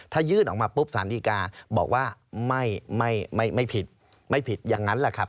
ถ้ายื่นออกมาปุ๊บสารดีกาบอกว่าไม่ผิดไม่ผิดอย่างนั้นแหละครับ